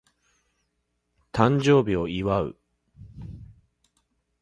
誕生日を祝う